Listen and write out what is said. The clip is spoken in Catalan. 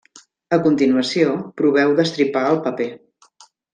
A continuació, proveu d'estripar el paper.